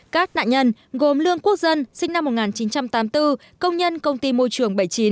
các nạn nhân gồm lương quốc dân sinh năm một nghìn chín trăm tám mươi bốn công nhân công ty môi trường bảy mươi chín